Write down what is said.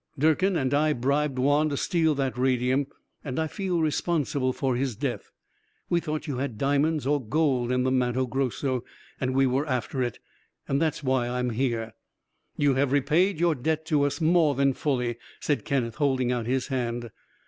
Durkin and I bribed Juan to steal that radium, and I feel responsible for his death. We thought you had diamonds or gold in the Matto Grosso, and we were after it. That's why I am here." "You have repaid your debt to us, more than fully," said Kenneth, holding out his hand.